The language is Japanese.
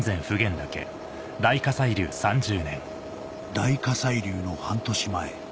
大火砕流の半年前